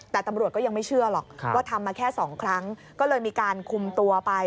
แต่ตำรวจก็ยังไม่เชื่อหรอกว่าทำมาแค่สองครั้งก็เลยมีการคุมตัวไป